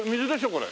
これ。